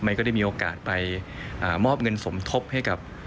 ก็ได้มีโอกาสไปมอบเงินสมทบให้กับ